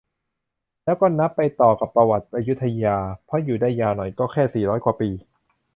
แล้วก็นับไปต่อกับประวัติอยุธยา เพราะอยู่ได้ยาวหน่อย แต่ก็แค่สี่ร้อยกว่าปี